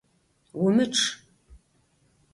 Умычъ!